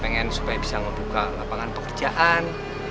pengen supaya bisa membuka lapangan pekerjaan